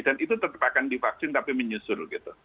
dan itu tetap akan divaksin tapi menyusul gitu